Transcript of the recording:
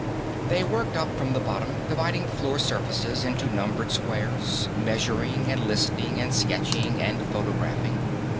They worked up from the bottom, dividing the floor surfaces into numbered squares, measuring and listing and sketching and photographing.